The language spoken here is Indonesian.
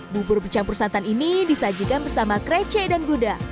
bubur bercampur santan ini disajikan bersama krecek dan gudeg